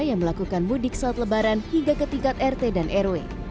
yang melakukan mudik saat lebaran hingga ke tingkat rt dan rw